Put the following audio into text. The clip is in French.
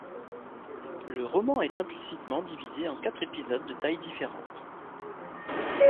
Le roman est implicitement divisé en quatre épisodes de tailles différentes.